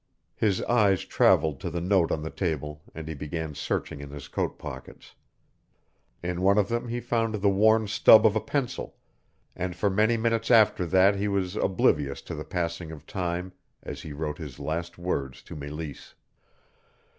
His eyes traveled to the note on the table and he began searching in his coat pockets. In one of them he found the worn stub of a pencil, and for many minutes after that he was oblivious to the passing of time as he wrote his last words to Meleese.